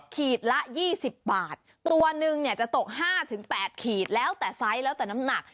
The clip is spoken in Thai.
ขีดละ๒๐บาทตัวหนึ่งจะตก๕๘ขีดแล้วแต่ไซส์แล้วแต่น้ำหนัก